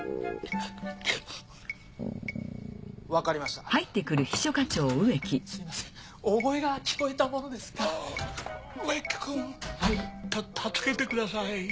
た助けてください。